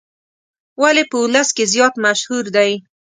ولې په ولس کې زیات مشهور دی.